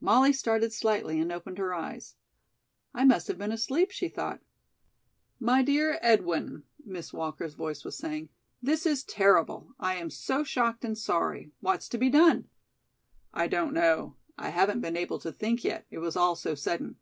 Molly started slightly and opened her eyes. "I must have been asleep," she thought. "My dear Edwin," Miss Walker's voice was saying, "this is terrible. I am so shocked and sorry. What's to be done?" "I don't know. I haven't been able to think yet, it was all so sudden.